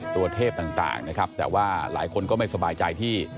ตัวเทพต่างนะครับแต่ว่าหลายคนก็ไม่สบายใจที่